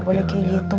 gak boleh kayak gitu